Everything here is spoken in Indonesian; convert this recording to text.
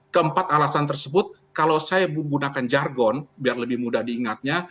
keempat alasan tersebut kalau saya menggunakan jargon biar lebih mudah diingatnya